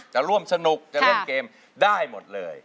จะร่วมสนุกจะเล่นเกมได้หมดเลย